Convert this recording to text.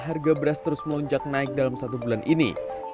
harga beras terus melonjak naik dalam satu bulan ini